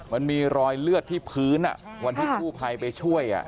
มันมีรอยเลือดที่พื้นวันที่กู้ภัยไปช่วย